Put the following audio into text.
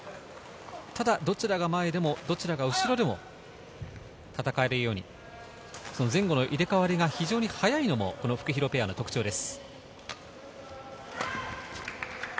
ただどちらが前でも後ろでも戦えるように前後の入れ替わりが非常に早いのもフクヒロペアの特徴です。